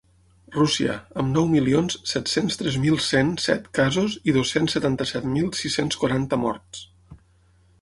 Rússia, amb nou milions set-cents tres mil cent set casos i dos-cents setanta-set mil sis-cents quaranta morts.